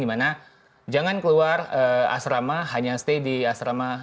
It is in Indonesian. dimana jangan keluar asrama hanya stay di asrama